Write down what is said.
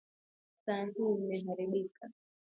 Saa hii imeharibika.